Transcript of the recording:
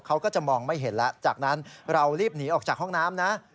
เขาก็จะมองไม่เห็นแล้วจากนั้นเรารีบหนีออกจากห้องน้ำนะ